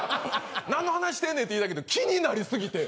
なんの話してんねん！って言いたいけど気になりすぎて。